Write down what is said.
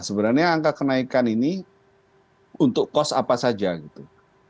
sebenarnya angka kenaikan ini untuk kos apa saja gitu